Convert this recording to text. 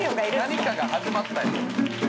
何かが始まったよ。